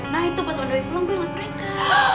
nah itu pas udah pulang gue liat mereka